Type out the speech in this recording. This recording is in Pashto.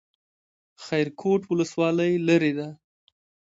خیرکوټ ولسوالۍ لیرې ده؟